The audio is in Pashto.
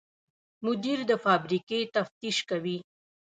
مدیر د فابریکې تفتیش کوي.